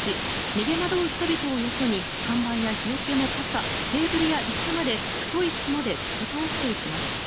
逃げ惑う人々をよそに看板や日よけの傘テーブルや椅子まで太い角で突き倒していきます。